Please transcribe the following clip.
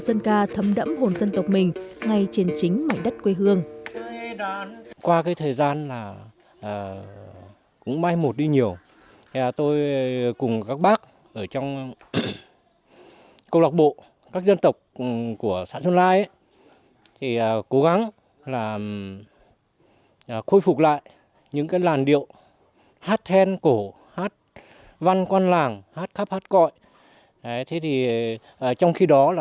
dân ca thấm đẫm hồn dân tộc mình ngay trên chính mảnh đất quê hương